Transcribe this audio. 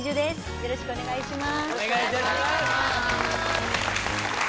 よろしくお願いします